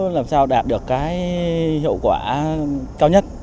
làm sao đạt được cái hiệu quả cao nhất